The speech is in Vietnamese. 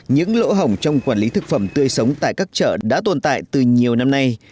những lỗ hỏng trong quản lý thực phẩm tươi sống tại các chợ đã tồn tại từ nhiều năm nay